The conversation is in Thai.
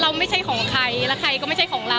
ไม่ใช่ของใครและใครก็ไม่ใช่ของเรา